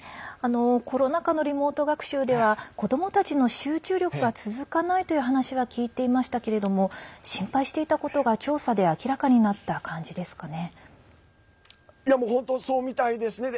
コロナ禍のリモート学習では子どもたちの集中力が続かないという話は聞いていましたけれども心配していたことが調査で明らかになった感じですかね。